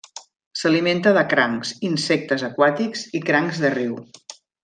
S'alimenta de crancs, insectes aquàtics i crancs de riu.